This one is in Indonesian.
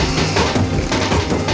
kejar dia bung